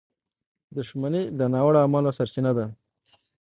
• دښمني د ناوړه اعمالو سرچینه ده.